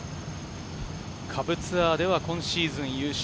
下部ツアーでは今シーズン優勝。